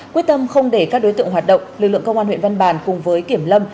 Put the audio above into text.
quyết tâm không để các đối tượng hoạt động lực lượng công an huyện văn bàn cùng với kiểm lâm